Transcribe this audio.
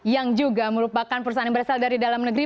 yang juga merupakan perusahaan yang berasal dari dalam negeri